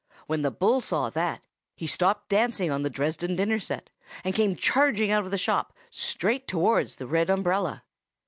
When the bull saw that, he stopped dancing on the Dresden dinner set and came charging out of the shop, straight towards the red umbrella.